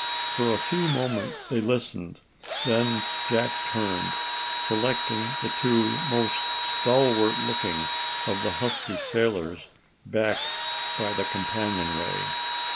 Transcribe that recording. For a few moments they listened. Then Jack turned, selecting the two most stalwart looking of the husky sailors back by the companionway.